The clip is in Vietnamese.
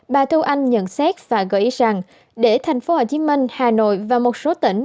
bà thu anh nhận xét và gợi ý rằng để tp hcm hà nội và một số tỉnh